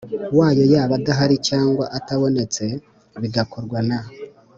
wayo yaba adahari cyangwa atabonetse bigakorwa na